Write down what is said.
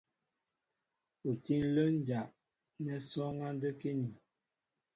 U tí ǹlə́ ǹjá' nɛ́ sɔ́ɔ́ŋ á də́kíní.